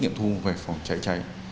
nghiệm thu về phòng cháy cháy